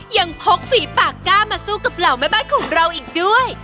พกฝีปากก้ามาสู้กับเหล่าแม่บ้านของเราอีกด้วย